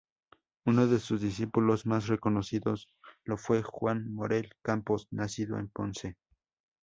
Uno de sus discípulos más reconocidos lo fue Juan Morel Campos, nacido en Ponce.